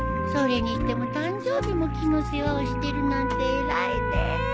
それにしても誕生日も木の世話をしてるなんて偉いね。